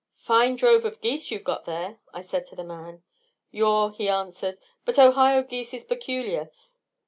"Fine drove of geese you've got there," I said to the man. "Yaw," he answered. "But Ohio geese is peculiar.